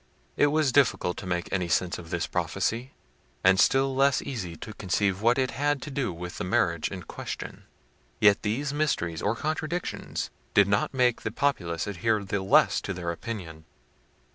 It was difficult to make any sense of this prophecy; and still less easy to conceive what it had to do with the marriage in question. Yet these mysteries, or contradictions, did not make the populace adhere the less to their opinion.